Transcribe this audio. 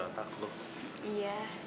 lama ya banget ya